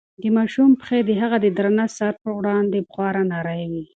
د ماشوم پښې د هغه د درانه سر په وړاندې خورا نرۍ وې.